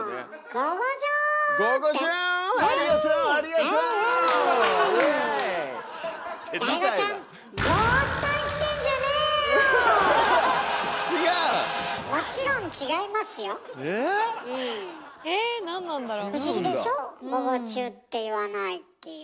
「午後中」って言わないっていう。